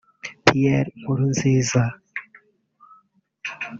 Pierre Nkurunziza